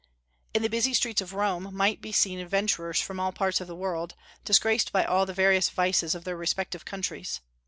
In the busy streets of Rome might be seen adventurers from all parts of the world, disgraced by all the various vices of their respective countries.